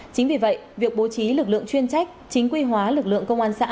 chính vì vậy việc bố trí lực lượng chuyên trách chính quy hóa lực lượng công an xã